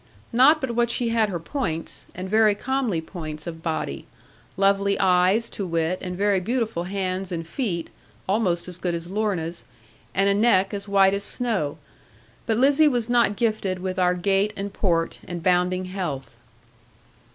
Not but what she had her points, and very comely points of body; lovely eyes to wit, and very beautiful hands and feet (almost as good as Lorna's), and a neck as white as snow; but Lizzie was not gifted with our gait and port, and bounding health.